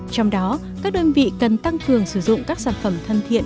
trong đó các đơn vị cần tăng cường sử dụng các sản phẩm thân thiện